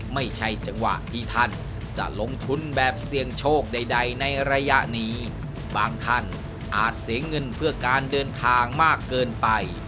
ไม่ใช่จังหวะที่ท่านจะลงทุนแบบเสี่ยงโชคใดในระยะนี้บางท่านอาจเสียเงินเพื่อการเดินทางมากเกินไป